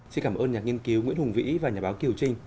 xin cảm ơn nhà nghiên cứu nguyễn hùng vĩ và nhà báo kiều trinh